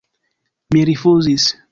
Mi rifuzis.